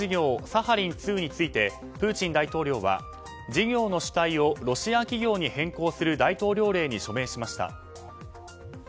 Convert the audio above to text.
サハリン２についてプーチン大統領は事業の主体をロシア企業に変更する大統領令に署名しました。